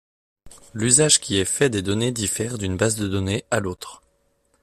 L'usage qui est fait des données diffère d'une base de données à l'autre.